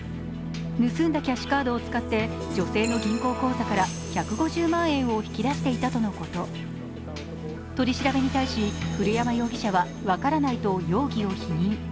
盗んだキャッシュカードを使って女性の銀行口座から１５０万円を引き出していたとのこと取り調べに対し古山容疑者は分からないと容疑を否認。